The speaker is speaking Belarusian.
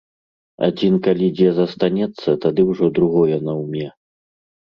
Адзін калі дзе застанецца, тады ўжо другое наўме.